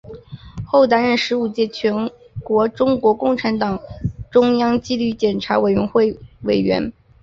后担任第十五届全国中国共产党中央纪律检查委员会委员。